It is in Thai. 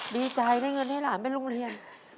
ดีใจได้เงินให้หลานไปโรงเรียน